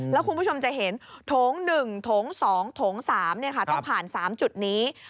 แล้วคุณผู้ชมจะเห็นโถง๑โถง๒โถง๓ต้องผ่าน๓จุดนี้